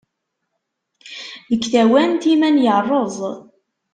Deg tawant iman yerreẓ.